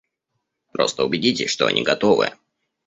Просто убедитесь, что они готовы.